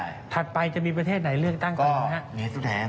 แล้วหนัดไปจะมีประเทศไหนเลือกตั้งก่อนนะครับ